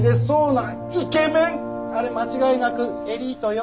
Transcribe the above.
あれ間違いなくエリートよ。